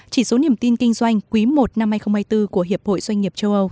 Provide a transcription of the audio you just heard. chỉ số niềm tin kinh doanh quý i năm hai nghìn hai mươi bốn của hiệp hội doanh nghiệp châu âu